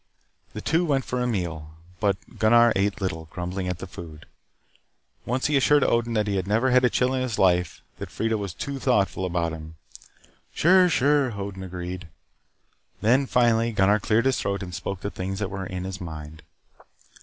The two went for a meal. But Gunnar ate little, grumbling at the food. Once he assured Odin that he had never had a chill in his life that Freida was too thoughtful about him "Sure. Sure." Odin agreed. Then, finally, Gunnar cleared his throat and spoke the things that were in his mind.